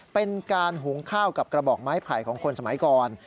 เป็นการหุงข้าวกับกระบอกไม้ไผ่ของคนสมัยก่อน